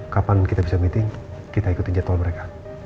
kapan kita bisa meeting kita ikutin jadwal mereka